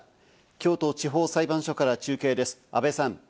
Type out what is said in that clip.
京都地方裁判所から中継です、阿部さん。